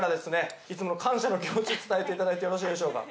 いつもの感謝の気持ちを伝えていただいてよろしいでしょうか？